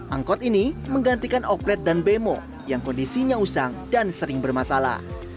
angkot ini menggantikan oklet dan bemo yang kondisinya usang dan sering bermasalah